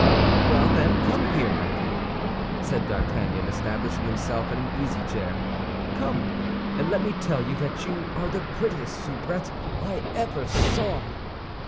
"Well, then, come here, my dear," said D'Artagnan, establishing himself in an easy chair; "come, and let me tell you that you are the prettiest soubrette I ever saw!"